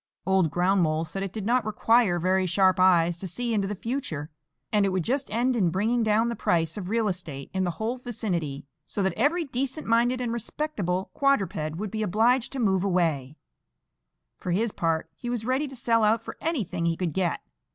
Old Ground mole said it did not require very sharp eyes to see into the future, and it would just end in bringing down the price of real estate in the whole vicinity, so that every decent minded and respectable quadruped would be obliged to move away;—for his part, he was ready to sell out for anything he could get.